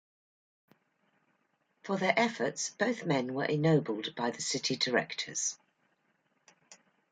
For their efforts, both men were ennobled by the city directors.